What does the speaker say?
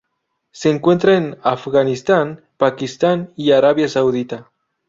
Se encuentra en Afganistán, Pakistán y Arabia Saudita.